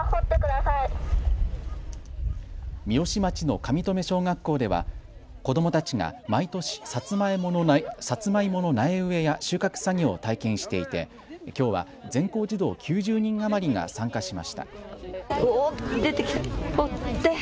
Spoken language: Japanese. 三芳町の上富小学校では子どもたちが毎年、さつまいもの苗植えや収穫作業を体験していてきょうは全校児童９０人余りが参加しました。